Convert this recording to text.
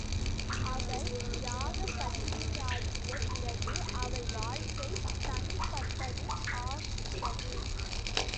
அவள் யாகபத்தினியாகிய பிறகு அவள் வாழ்க்கை தனிப்பட்டது ஆகிறது.